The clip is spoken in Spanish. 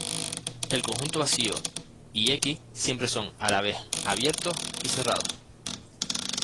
El conjunto vacío y "X" siempre son, a la vez, abiertos y cerrados.